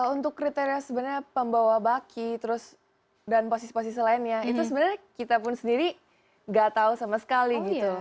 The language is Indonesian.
untuk kriteria sebenarnya pembawa baki dan posisi posisi lainnya itu sebenarnya kita pun sendiri gak tahu sama sekali gitu